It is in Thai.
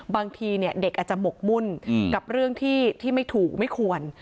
บางทีเด็กอาจจะหมกมุ่นกับเรื่องที่ไม่ถูกไม่ควร